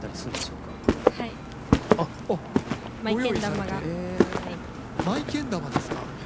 マイけん玉ですか。